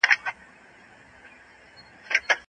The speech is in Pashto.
املا د زده کوونکو د اورېدلو حس تېزوي.